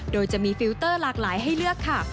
โดยจะมีฟิลเตอร์หลากหลายให้เลือกค่ะ